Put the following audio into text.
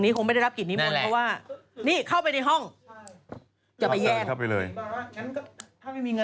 แกล้งแกล้งแกล้งแกล้งแกล้งแกล้ง